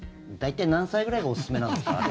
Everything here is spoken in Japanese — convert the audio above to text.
大体、何歳ぐらいがおすすめなんですか？